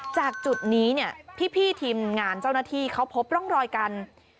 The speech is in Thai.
จากจุดนี้เนี่ยพี่ทีมงานเจ้าหน้าที่เขาพบร่องรอยการ